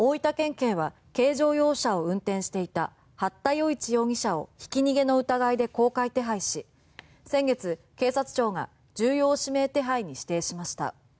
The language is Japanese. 警は軽乗用車を運転していた八田與一容疑者をひき逃げの疑いで公開手配し先月、警視庁が重要指名手配に指定しました。